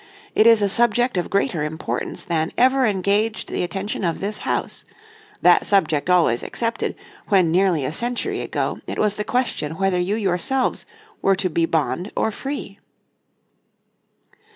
It is a subject of greater importance than ever engaged the attention of this House; that subject always excepted, when nearly a century ago it was the question whether you yourselves were to be bond or free."